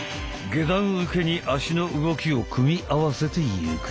下段受けに足の動きを組み合わせていく。